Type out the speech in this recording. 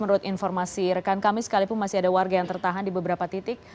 menurut informasi rekan kami sekalipun masih ada warga yang tertahan di beberapa titik